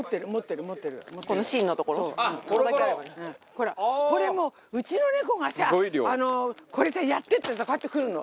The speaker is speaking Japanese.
ほらこれもううちの猫がさこれさ「やって」ってこうやって来るの。